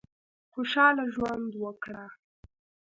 خوشاله ژوند وکړه.